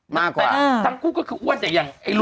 นึงอายุเนี้ย